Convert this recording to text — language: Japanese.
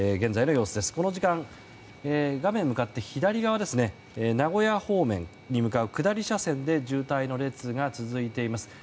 この時間、画面向かって左側名古屋方面に向かう下り車線で渋滞の列が続いています。